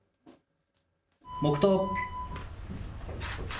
黙とう。